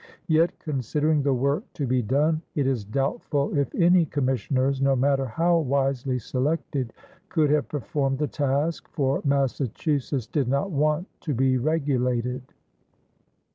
Yet considering the work to be done, it is doubtful if any commissioners, no matter how wisely selected, could have performed the task, for Massachusetts did not want to be regulated.